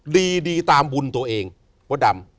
ดีดีตามบุญตัวเองพระดำ